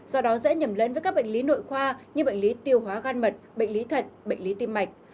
do đó dễ nhầm lẫn với các bệnh lý nội khoa như bệnh lý tiêu hóa gan mật bệnh lý thận bệnh lý tim mạch